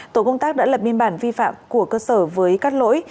tổ công tác đã lập biên bản vi phạm của cơ sở với các lỗi